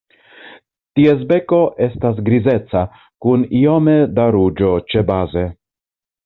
Ties beko estas grizeca kun iome da ruĝo ĉebaze.